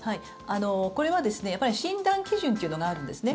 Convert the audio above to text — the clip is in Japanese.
これは診断基準というのがあるんですね。